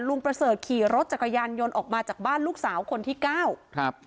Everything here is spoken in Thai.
ประเสริฐขี่รถจักรยานยนต์ออกมาจากบ้านลูกสาวคนที่เก้าครับ